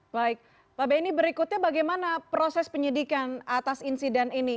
baik pak benny berikutnya bagaimana proses penyidikan atas insiden ini